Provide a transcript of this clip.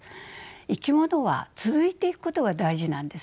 生き物は続いていくことが大事なんですよ。